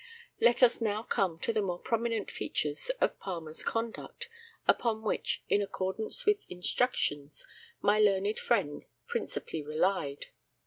Let us now come to the more prominent features of Palmer's conduct, upon which, in accordance with his instructions, my learned friend principally relied.